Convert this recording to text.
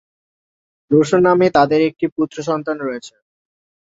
রোশন নামে তাঁদের একটি পুত্রসন্তান রয়েছে।